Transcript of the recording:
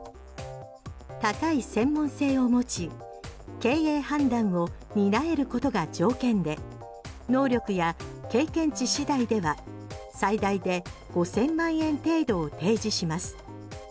高い専門性を持ち経営判断を担えることが条件で能力や経験値次第では最大で５０００万円程度を提示します。